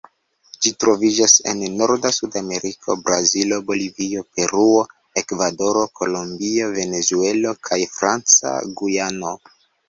Ĝi troviĝas en norda Sudameriko: Brazilo, Bolivio, Peruo, Ekvadoro, Kolombio, Venezuelo, kaj Franca Gujano.